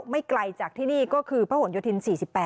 ไม่ไกลจากที่นี่ก็คือพระหลโยธิน๔๘